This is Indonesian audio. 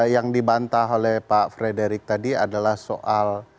yang dibantah oleh pak frederick tadi adalah soal